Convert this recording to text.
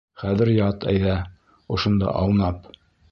Хәҙер ят, әйҙә, ошонда аунап!